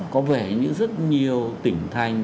có vẻ như rất nhiều tỉnh thành